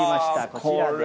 こちらです。